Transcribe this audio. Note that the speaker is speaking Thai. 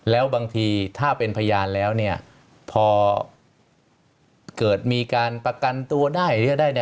แล้วบางทีถ้าเป็นพยานแล้วเนี่ยพอเกิดมีการประกันตัวได้หรืออะไร